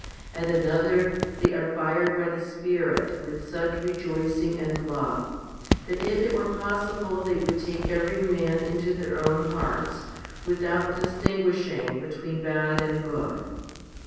At another they are fired by the Spirit with such rejoicing and love, that if it were possible they would take every man into their own hearts, without distinguishing between bad and good.